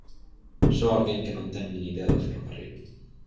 Só alguén que non ten nin idea do ferrocarril.